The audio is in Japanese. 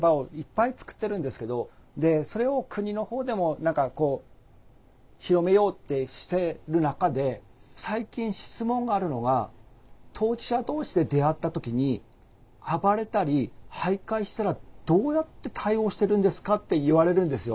それを国の方でも何かこう広めようってしてる中で最近質問があるのが「当事者同士で出会った時に暴れたり徘徊したらどうやって対応してるんですか？」って言われるんですよ。